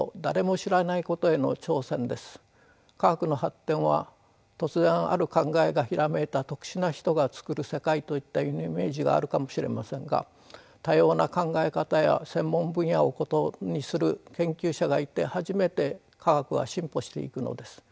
科学の発展は突然ある考えがひらめいた特殊な人が作る世界といったイメージがあるかもしれませんが多様な考え方や専門分野を異にする研究者がいて初めて科学は進歩していくのです。